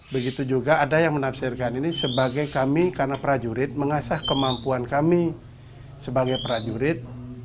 begitu juga ada yang menafsirkan ini sebagai kami karena prajurit mengasah kemampuan kami sebagai prajurit